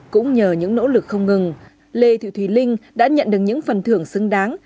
cũng nhờ những nỗ lực không ngừng lê thị thùy linh đã nhận được những phần thưởng xứng đáng